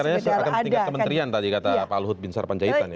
apalagi rencananya serta tingkat kementerian tadi kata pak luhut bin sarpanjaitan ya